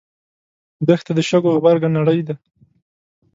دښته د شګو غبرګه نړۍ ده.